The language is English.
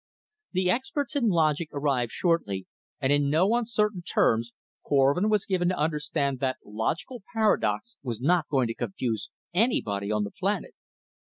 The experts in logic arrived shortly, and in no uncertain terms Korvin was given to understand that logical paradox was not going to confuse anybody on the planet.